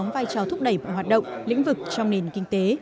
vào thúc đẩy mọi hoạt động lĩnh vực trong nền kinh tế